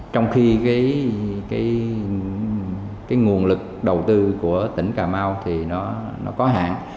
trong khi cái nguồn lực đầu tư của tỉnh cà mau thì nó có hạn